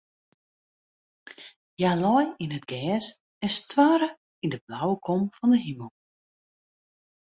Hja lei yn it gjers en stoarre yn de blauwe kom fan de himel.